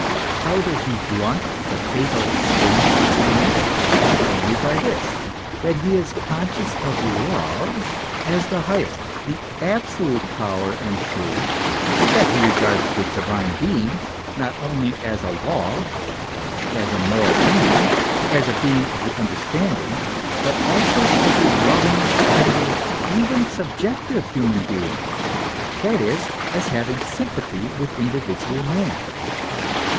How does he blunt the fatal sting of sin ? Only by this ; that he is conscious of love as the highest, the absolute power and truth, that he regards the Divine Being not only as a law, as a moral being, as a being of the understanding; but also as a loving, tender, even sub jective human being (that is, as having sympathy with indi vidual man.)